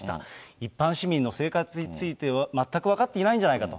一般市民の生活について全く分かっていないんじゃないかと。